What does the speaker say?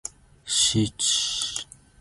Bangaki abafundi abami ngaphambi kwekilasi manje?